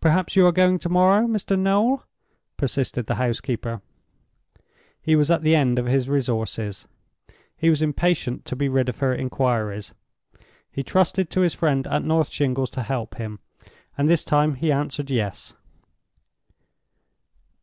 "Perhaps you are going to morrow, Mr. Noel?" persisted the housekeeper. He was at the end of his resources; he was impatient to be rid of her inquiries; he trusted to his friend at North Shingles to help him; and this time he answered Yes.